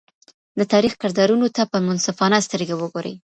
د تاریخ کردارونو ته په منصفانه سترګه وګورئ.